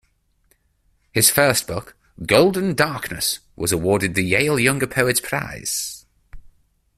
His first book, "Golden Darkness", was awarded the Yale Younger Poets Prize.